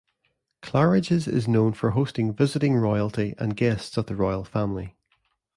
Claridge's is known for hosting visiting royalty and guests of the Royal Family.